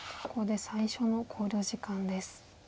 ここで最初の考慮時間です。